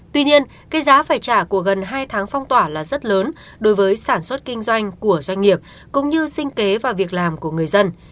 tuy nhiên cái giá phải trả của gần hai tháng phong tỏa là rất lớn đối với sản xuất kinh doanh của doanh nghiệp cũng như sinh kế và việc làm của người dân